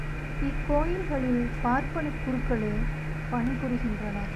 இக்கோயில்களில் பார்ப்பனக் குருக்களே பணிபுரிகின்றனர்.